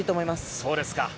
そうですか。